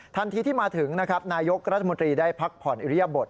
ทันทีที่มาถึงนะครับนายกรัฐมนตรีได้พักผ่อนอิริยบท